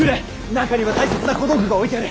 中には大切な小道具が置いてある。